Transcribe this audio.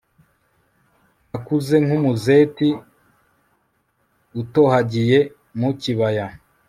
nakuze nk'umuzeti utohagiye mu kibaya,